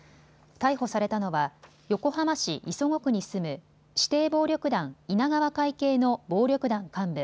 逮捕されたのは横浜市磯子区に住む指定暴力団、稲川会系の暴力団幹部